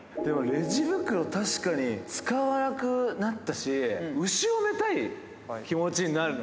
レジ袋、確かに使わなくなったし、後ろめたい気持ちになるの。